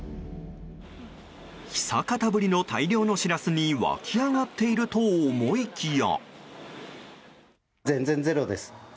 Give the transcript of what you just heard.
久方ぶりの大量のシラスに沸き上がっていると思いきや。